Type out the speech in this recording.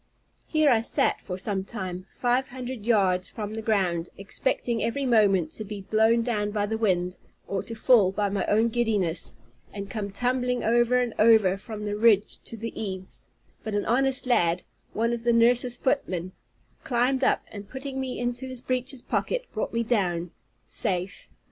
Here I sat for some time, five hundred yards from the ground, expecting every moment to be blown down by the wind, or to fall by my own giddiness, and come tumbling over and over from the ridge to the eaves: but an honest lad, one of my nurse's footmen, climbed up, and putting me into his breeches pocket, brought me down safe.